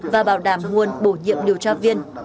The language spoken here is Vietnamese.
và bảo đảm nguồn bổ nhiệm điều tra viên